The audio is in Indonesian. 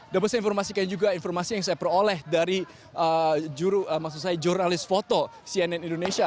dapat saya informasikan juga informasi yang saya peroleh dari maksud saya jurnalis foto cnn indonesia